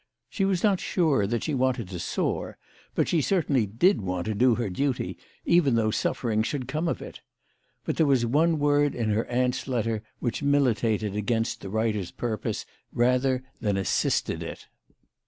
She was not sure that she wanted to soar, but she certainly did want to do her duty, even though suffering should come of it. But there was one Word in her aunt's letter which militated against the writer's purpose rather than assisted it.